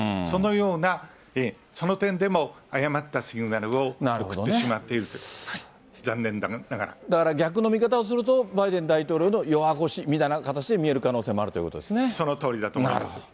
そのような、その点でも誤ったシグナルを送ってしまっているという、残念ながだから逆の見方をすると、バイデン大統領の弱腰みたいな形で見える可能性もあるということそのとおりだと思います。